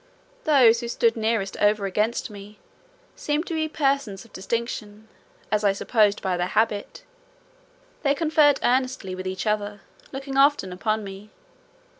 Those who stood nearest over against me, seemed to be persons of distinction, as I supposed by their habit. They conferred earnestly with each other, looking often upon me.